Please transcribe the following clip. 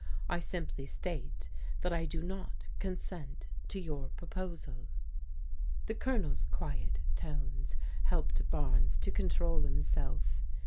I simply state that I do not consent to your pro posal." The Colonel's quiet tones helped Barnes to control himself.